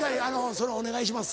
そのお願いします。